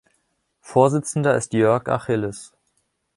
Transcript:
Vorsitzender ist Jörg Achilles.